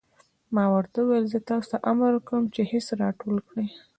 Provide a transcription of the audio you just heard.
ما ورته وویل: زه تاسې ته امر کوم چې خس را ټول کړئ.